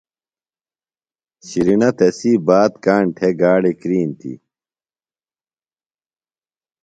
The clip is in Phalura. شِرینہ تسی بات کاݨ تھےۡ گاڑیۡ کرِینتی.